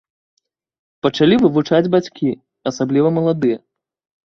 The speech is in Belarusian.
Пачалі вывучаць бацькі, асабліва маладыя.